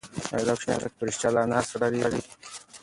ایا دا کوچنی هلک په رښتیا له انا ډارېږي؟